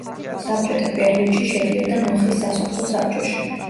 საბჭოთა პერიოდში შედიოდა მოხის სასოფლო საბჭოში.